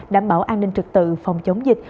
đảm bảo an ninh trực tự phòng chống dịch